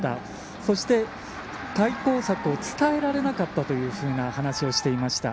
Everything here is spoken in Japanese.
そして、対抗策を伝えられなかったというふうな話をしていました。